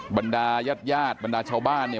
บรรดายาดบรรดาชาวบ้านเนี่ย